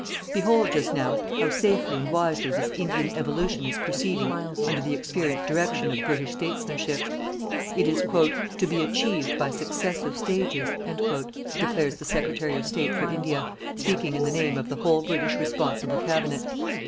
Behold just now how safely and wisely this Indian evolution is proceeding under the experienced direction of British statesmanship. It is "TO BE ACHIEVED BY SUCCESSIVE STAGES", declares the Secretary of State for India, speaking in the name of the whole British responsible Cabinet.